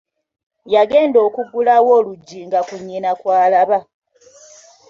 Yagenda okugulawo oluggi nga ku nnyina kw'alaba.